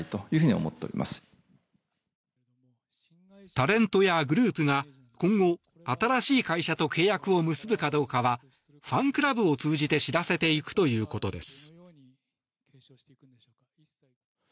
タレントやグループが今後、新しい会社と契約を結ぶかどうかはファンクラブを通して知らせていくということです。